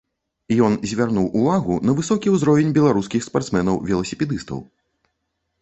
Ён звярнуў увагу на высокі ўзровень беларускіх спартсмэнаў-веласіпедыстаў.